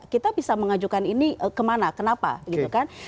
kita bisa mengajukan ini kemana kenapa gitu kan